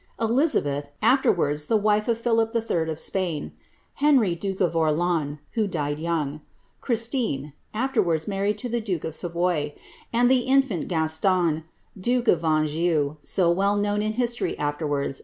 Elizabeth (afterwards the wife of Philip III. of Spain) ; Henry, duke of Orleans (who died young) ; Christine (afterwaixis married to the duke of Savoy) ; and the infant Gaston, duke of Anjou, so well known in history afterwards as duke of Orleans.